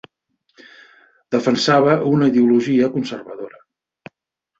Defensava una ideologia conservadora.